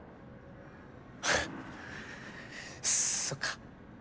フッそっか